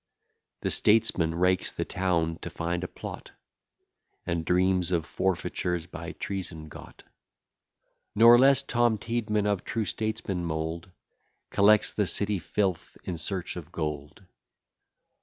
The statesman rakes the town to find a plot, And dreams of forfeitures by treason got. Nor less Tom t d man, of true statesman mould, Collects the city filth in search of gold.